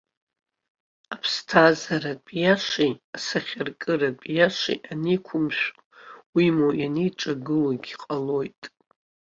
Аԥсҭазааратә иашеи асахьаркыратә иашеи анеиқәымшәо, уимоу, ианеиҿагылогьы ҟалоит.